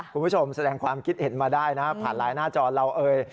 คุณผู้ชมแสดงความคิดเห็นมาได้นะฮะผ่านไลน์หน้าจอเราเอ่ย